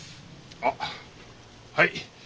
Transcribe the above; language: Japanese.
あっはい。